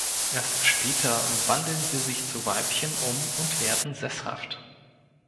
Erst später wandeln sie sich zu Weibchen um und werden sesshaft.